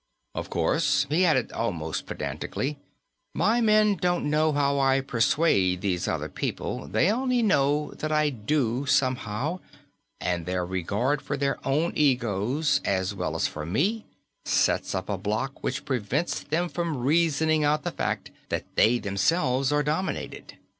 "Of course," he added, almost pedantically, "my men don't know how I persuade these other people they only know that I do, somehow, and their regard for their own egos, as well as for me, sets up a bloc which prevents them from reasoning out the fact that they themselves are dominated.